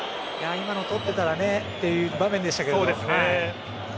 今の取ってたらという場面でしたけどね。